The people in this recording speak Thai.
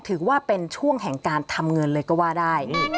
ถือว่าเป็นช่วงแห่งการทำเงินเลยก็ว่าได้